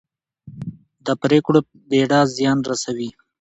د پرېکړو بېړه زیان رسوي